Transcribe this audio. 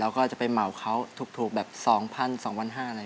แล้วก็จะไปเหมาเขาถูกแบบ๒๐๐๐๒๕๐๐อะไรประมาณเนี่ย